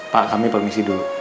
pak kami permisi dulu